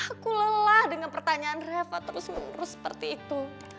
aku lelah dengan pertanyaan reva terus menerus seperti itu